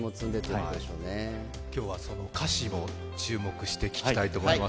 今日はその歌詞を注目して聴きたいと思います。